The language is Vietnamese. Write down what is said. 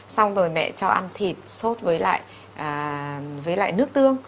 xong rồi mẹ cho ăn thịt sốt với lại nước tương